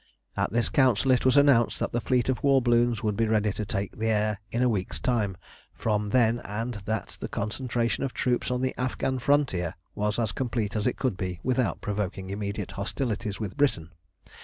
At this Council it was announced that the fleet of war balloons would be ready to take the air in a week's time from then, and that the concentration of troops on the Afghan frontier was as complete as it could be without provoking immediate hostilities with Britain.